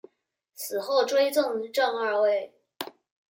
死后追赠正二位。